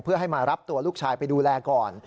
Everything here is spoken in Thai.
เพื่อให้มารับตัวลูกชายไปดูแลก่อน